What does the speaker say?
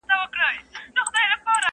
جګړه نښتې په سپین سبا ده،